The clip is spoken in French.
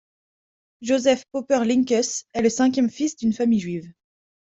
Josef Popper-Lynkeus est le cinquième fils d'une famille juive.